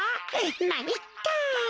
まいっか。